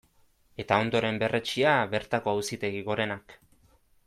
Eta ondoren berretsia bertako Auzitegi Gorenak.